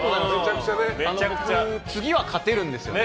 僕、次は勝てるんですよね。